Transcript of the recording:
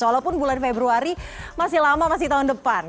walaupun bulan februari masih lama masih tahun depan